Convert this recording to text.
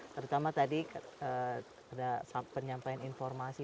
terutama tadi ada penyampaian informasi